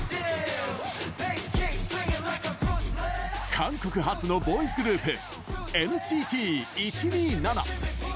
韓国発のボーイズグループＮＣＴ１２７。